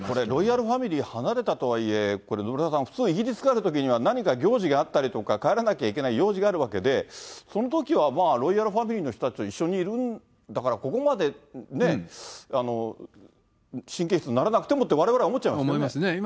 ロイヤルファミリー離れたとはいえ、これ、野村さん、イギリスで何か行事があったりとか、帰らなきゃいけない用事があるわけで、そのときはロイヤルファミリーの人たちと一緒にいるんだから、ここまでね、神経質にならなくてもって、われわれは思っちゃいますよね。